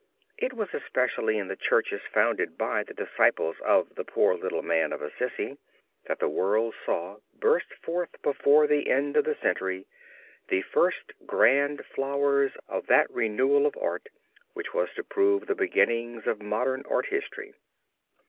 It was especially in the churches founded by the disciples of "the poor little man of Assisi," that the world saw burst forth before the end of the century, the first grand flowers of that renewal of art which was to prove the beginning of modern art history.